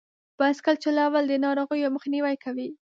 بایسکل چلول د ناروغیو مخنیوی کوي.